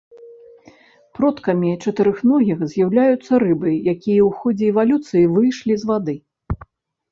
Продкамі чатырохногіх з'яўляюцца рыбы, якія ў ходзе эвалюцыі выйшлі з вады.